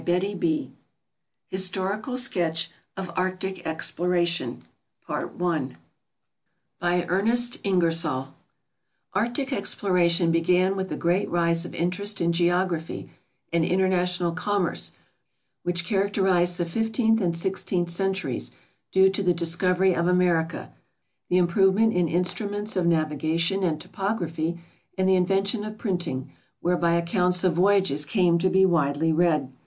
MISCELLANEOUS Historical Sketch of Arctic Exploration By ERNEST INGERSOLL ARCTIC exploration began with the great rise of interest in geography and international commerce which characterized the fifteenth and sixteenth centuries, due to the discovery of America, the improvement in instruments of navigation and topography, and the invention of printing, whereby accounts of voyages came to be widely read.